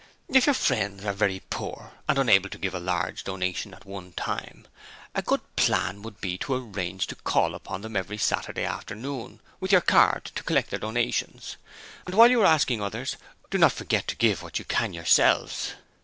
'If your friends are very poor and unable to give a large donation at one time, a good plan would be to arrange to call upon them every Saturday afternoon with your card to collect their donations. And while you are asking others, do not forget to give what you can yourselves.